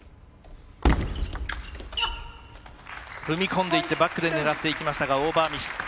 踏み込んでいってバックで狙っていきましたがオーバーミス。